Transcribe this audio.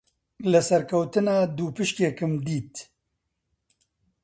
لە سەرکەوتنا دووپشکێکم دیت.